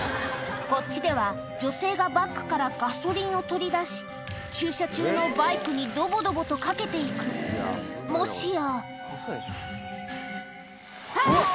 こっちでは女性がバッグからガソリンを取り出し駐車中のバイクにドボドボとかけて行くもしやあぁ！